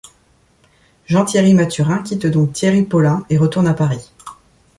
Jean-Thierry Mathurin quitte donc Thierry Paulin et retourne à Paris.